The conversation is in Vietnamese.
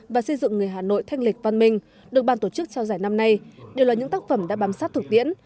và xây dựng người hà nội thanh lịch văn minh được ban tổ chức trao giải năm nay đều là những tác phẩm đã bám sát thực tiễn